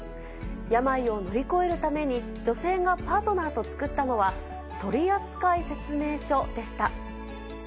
病を乗り越えるために女性がパートナーと作ったのは取扱説明書でした。